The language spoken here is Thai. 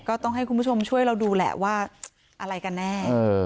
ก็ต้องให้คุณผู้ชมช่วยเราดูแหละว่าอะไรกันแน่